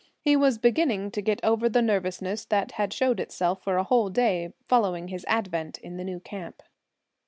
He was beginning to get over the nervousness that had shown itself for a whole day following his advent in the new camp.